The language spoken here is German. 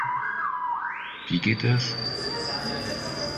Wie geht das?